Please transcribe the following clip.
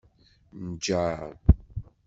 Nǧeṛ.